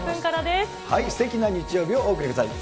すてきな日曜日をお送りください。